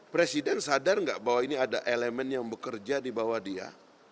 presiden sadar nggak bahwa ini ada elemen yang bekerja di bawah dia